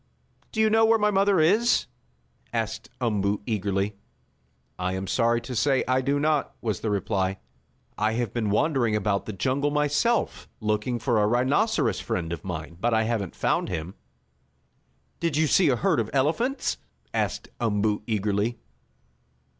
"Do you know where my mother is?" asked Umboo eagerly. "I am sorry to say I do not," was the reply. "I have been wandering about the jungle myself, looking for a rhinoceros friend of mine, but I haven't found him." "Did you see a herd of elephants?" asked Umboo eagerly.